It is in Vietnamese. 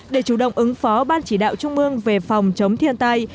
để chủ động ứng phó ban chỉ đạo trung ương về phòng chống thiên tai